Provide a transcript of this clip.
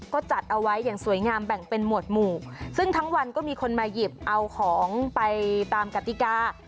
ก็จัดเอาไว้อย่างสวยงามแบ่งเป็นหมวดหมู่ซึ่งทั้งวันก็มีคนมาหยิบเอาของไปตามกติกา